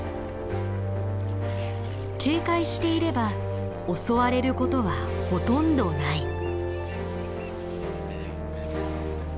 警戒していれば襲われることはほとんどない。